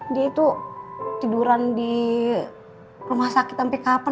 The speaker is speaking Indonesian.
dia itu tiduran di rumah sakit sampai kapan